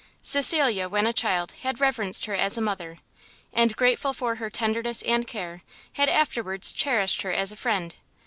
Cecilia when a child had reverenced her as a mother, and, grateful for her tenderness and care, had afterwards cherished her as a friend.